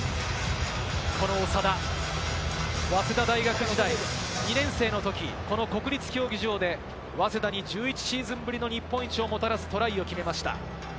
この長田、早稲田大学時代、２年生の時、この国立競技場で早稲田に１１シーズンぶりの日本一をもたらすトライを決めました。